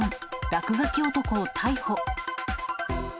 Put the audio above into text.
落書き男を逮捕。